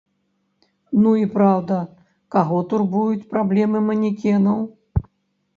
Ну і праўда, каго турбуюць праблемы манекенаў?